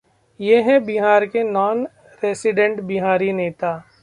ये हैं बिहार के नॉन रेजिडेंट बिहारी नेता